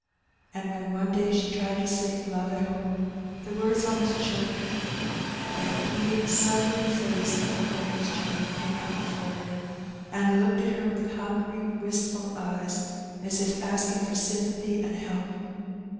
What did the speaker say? And when one day she tried to sing " Love at Home,'' the words almost choked her, for the pleading, suflTering face of the homeless child came up before her, and looked at her with hungry wistful eyes, as if asking for sympathy and help.